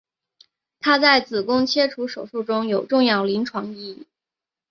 它在子宫切除术中有重要临床意义。